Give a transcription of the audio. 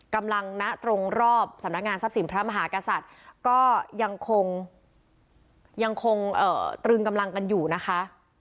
ณตรงรอบสำนักงานทรัพย์สินพระมหากษัตริย์ก็ยังคงยังคงตรึงกำลังกันอยู่นะคะ